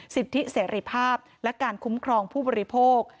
สิทธิเสรีภาพและการคุ้มครองผู้บริโภค